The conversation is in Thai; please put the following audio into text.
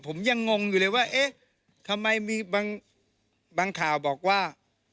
ผมยังงงอยู่เลยว่าเอ๊ะทำไมมีบางข่าวบอกว่า